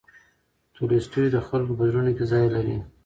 تولستوی د خلکو په زړونو کې ځای لري.